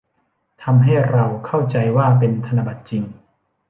ทำให้เราเข้าใจว่าเป็นธนบัตรจริง